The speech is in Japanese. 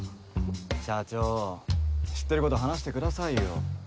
社長知ってること話してくださいよ。